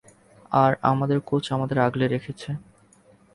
আর আমাদের কোচ আমাদের আগলে রেখেছে।